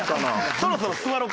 そろそろ座ろか？